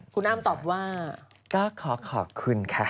อะอุ้มนี่คือไรอ่ะ